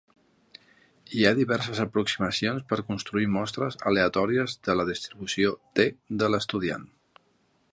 Hi ha diverses aproximacions per construir mostres aleatòries de la distribució "t" de l'estudiant.